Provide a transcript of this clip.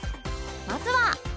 まずは